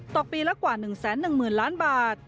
ต่อปีละกว่า๑๑๐๐๐ล้านบาท